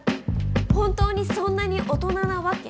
本当にそんなに大人なワケ？